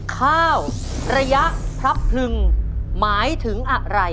ข้าวระยะพลับพลึงหมายถึงอะไร